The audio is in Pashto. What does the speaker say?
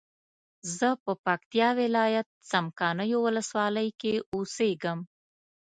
زه په پکتیا ولایت څمکنیو ولسوالۍ کی اوسیږم